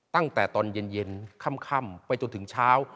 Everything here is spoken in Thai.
ตั้งแต่ตอนเย็นค่ำไปจนถึงเช้า